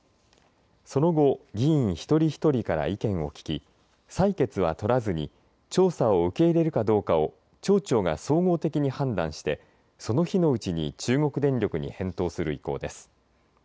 その後、議員一人一人から意見を聞き採決は取らずに調査を受け入れるかどうかを町長が総合的に判断してその日のうちに中国電力に返答する意向です。